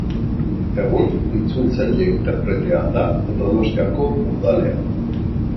Egun itzultzaile-interpretea da Donostiako Udalean.